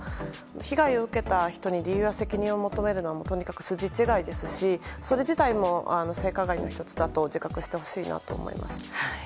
被害を受けた人に理由や責任を求めるのはとにかく筋違いですしそれ自体も、性加害の１つだと自覚してほしいなと思います。